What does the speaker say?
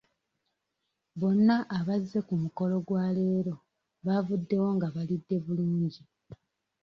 Bonna abazze ku mukolo gw'olwaleero baavuddewo nga balidde bulungi.